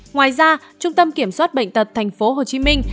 ngoài ra trung tâm kiểm soát bệnh tật thành phố hồ chí minh